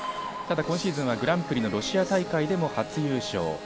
今シーズンはグランプリのロシア大会にも初優勝。